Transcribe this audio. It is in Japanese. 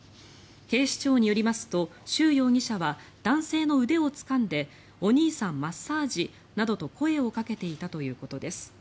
警視庁によりますとシュウ容疑者は男性の腕をつかんでお兄さん、マッサージなどと声をかけていたということです。